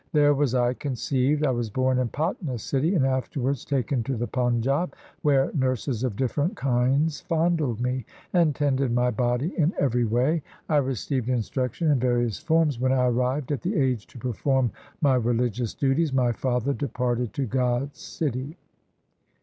There was I conceived. I was born in Patna city, And afterwards taken to the Panjab, Where nurses of different kinds fondled me, And tended my body in every way. I received instruction in various forms. When I arrived at the age to perform my religious duties, My father departed to God's city.